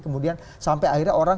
kemudian sampai akhirnya orang